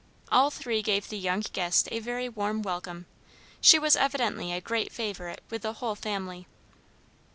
All three gave the young guest a very warm welcome. She was evidently a great favorite with the whole family.